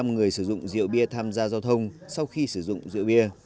bốn mươi năm người sử dụng rượu bia tham gia giao thông sau khi sử dụng rượu bia